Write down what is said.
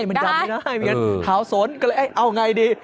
ใช่มันจำไม่ได้ทาวศลก็เลยเอาไงดิ